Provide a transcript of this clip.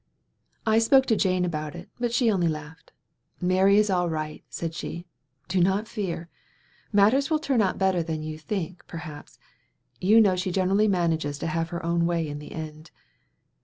I spoke to Jane about it, but she only laughed. "Mary is all right," said she; "do not fear. Matters will turn out better than you think, perhaps. You know she generally manages to have her own way in the end."